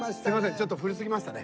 ちょっと古すぎましたね。